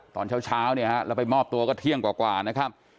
ตอนเช้าแล้วไปมอบตัวก็เที่ยงกว่ากว่านะครับ